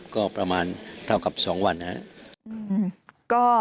ก็ประมาณเท่ากับ๒วันนะครับ